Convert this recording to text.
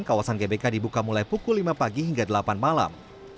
kawasan gbk dibuka mulai pukul lima pagi hingga delapan malam